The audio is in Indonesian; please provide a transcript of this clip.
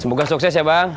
semoga sukses ya bang